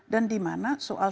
dan di mana soal